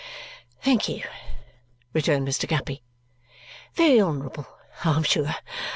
"Thank you," returned Mr. Guppy. "Very honourable, I am sure.